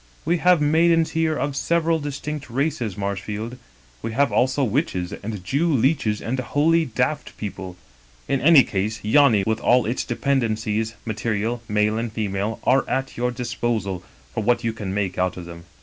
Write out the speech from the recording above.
We have maidens here of several distinct races, Marshfield. We have also witches, and Jew leeches, and holy daft people. In any case, Yany, with 124 Egerton Castle all Its dependencies, material, male and female, are at your disposal) for what you can make out of them.